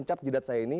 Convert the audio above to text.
mencap jidat saya ini